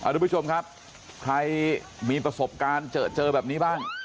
ทุกผู้ชมครับใครมีประสบการณ์เจอแบบนี้บ้าง